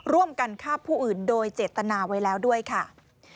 ร่วมกันฆ่าผู้อื่นโดยเจตนาไว้แล้วด้วยค่ะ